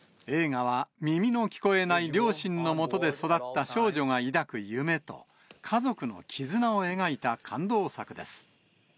映画は耳の聞こえない両親のもとで育った少女が抱く夢と、家族の絆を描いた感動作です。